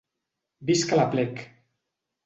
Visca l’Aplec!